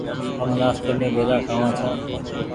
هم نآستي مين بيدآ کآوآن ڇآن ۔